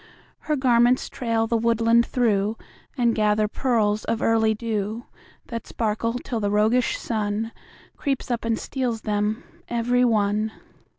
Her garments trail the woodland through, And gather pearls of early dew That sparkle till the roguish Sun Creeps up and steals them every one.